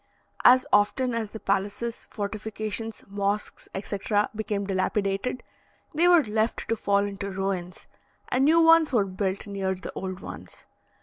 As often as the palaces, fortifications, mosques, etc., became dilapidated, they were left to fall into ruins, and new ones were built near the old ones.